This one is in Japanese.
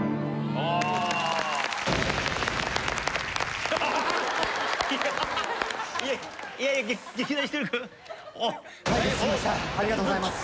ありがとうございます。